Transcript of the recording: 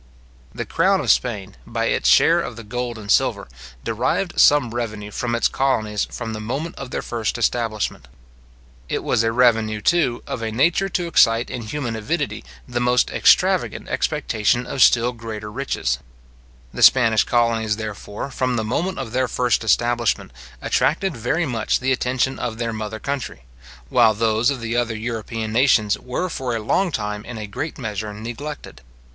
The crown of Spain, by its share of the gold and silver, derived some revenue from its colonies from the moment of their first establishment. It was a revenue, too, of a nature to excite in human avidity the most extravagant expectation of still greater riches. The Spanish colonies, therefore, from the moment of their first establishment, attracted very much the attention of their mother country; while those of the other European nations were for a long time in a great measure neglected.